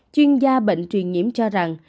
chuyên gia bệnh truyền nhiễm cho rằng